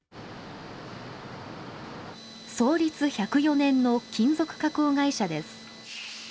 創立１０４年の金属加工会社です。